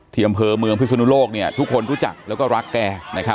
อำเภอเมืองพิศนุโลกทุกคนรู้จักแล้วก็รักแก